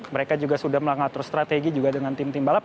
mereka juga sudah mengatur strategi juga dengan tim tim balap